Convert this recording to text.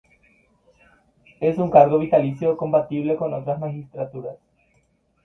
Es un cargo vitalicio compatible con otras magistraturas.